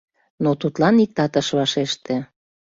Но тудлан иктат ыш вашеште.